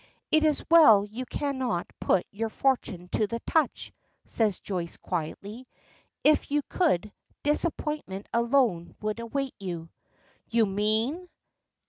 "It is well you cannot put your fortune to the touch," says Joyce quietly; "if you could, disappointment alone would await you." "You mean